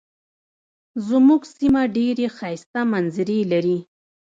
زمونږ سیمه ډیرې ښایسته منظرې لري.